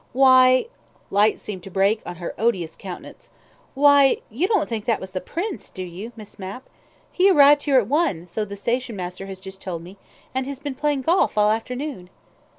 "Why" light seemed to break on her odious countenance. "Why, you don't think that was the Prince, do you, Miss Mapp? He arrived here at one, so the station master has just told me, and has been playing golf all afternoon."